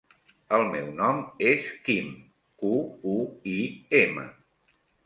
El meu nom és Quim: cu, u, i, ema.